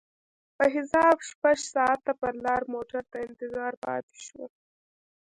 په حساب شپږ ساعته پر لار موټر ته انتظار پاتې شوم.